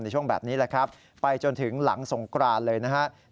ช่วงนี้แหละครับไปจนถึงหลังสงกรานเลยนะครับ